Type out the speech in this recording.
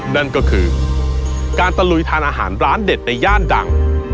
นั่นก็คือการตะลุยทานอาหารร้านเด็ดในย่านดัง